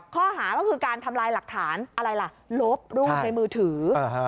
ข้อหาก็คือการทำลายหลักฐานอะไรล่ะลบรูปในมือถือ